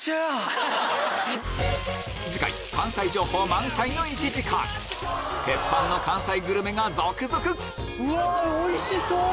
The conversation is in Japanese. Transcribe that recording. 次回関西情報満載の１時間テッパンの関西グルメが続々うわおいしそう！